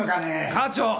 課長。